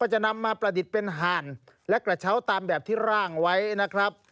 จะนำมาประดิษฐ์เป็นห่านและกระเช้าตามแบบที่ร่างไว้นะครับ